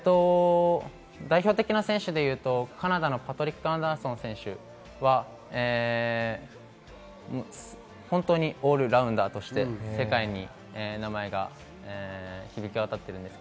代表的な選手でいうと、カナダのパトリック・アンダーソン選手はオールラウンダーとして世界に名前が響き渡っています。